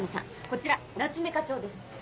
こちら夏目課長です。